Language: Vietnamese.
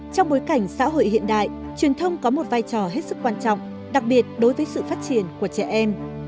trong bối cảnh xã hội hiện đại truyền thông có một vai trò hết sức quan trọng đặc biệt đối với sự phát triển của trẻ em